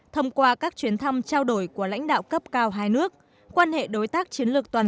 thông qua các chuyến thăm trao đổi của lãnh đạo cấp cao hai nước quan hệ đối tác chiến lược toàn